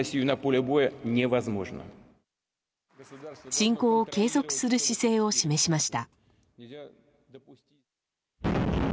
侵攻を継続する姿勢を示しました。